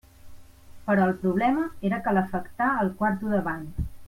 Però el problema era calefactar el quarto de bany.